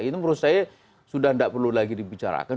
itu menurut saya sudah tidak perlu lagi dibicarakan